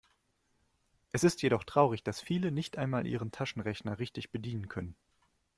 Es ist jedoch traurig, dass viele nicht einmal ihren Taschenrechner richtig bedienen können.